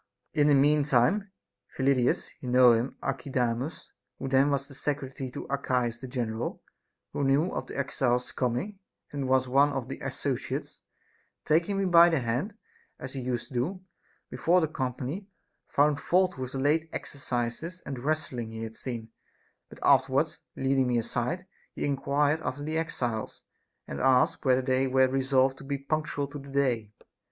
In the mean time Phyllidas (you know him, Archidamus) who was then secretary to Archias the general, who knew of the exiles coming and was one of the associates, taking me by the hand, as he used to do, before the company, found fault with the late exercises and wrestling he had seen ; but afterwards leading me aside, he enquired after the exiles, and asked whether they were resolved to be punctual to the day.